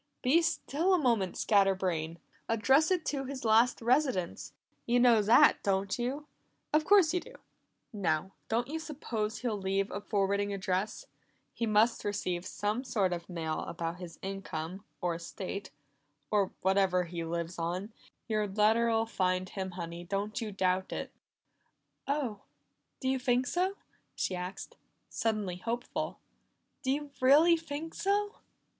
"Be still a moment, scatter brain! Address it to his last residence; you know that, don't you? Of course you do. Now, don't you suppose he'll leave a forwarding address? He must receive some sort of mail about his income, or estate, or whatever he lives on. Your letter'll find him, Honey; don't you doubt it." "Oh, do you think so?" she asked, suddenly hopeful. "Do you really think so?"